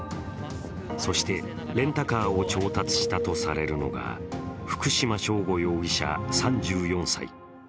そしてレンタカーを調達したとされるのが福島聖悟容疑者３４歳。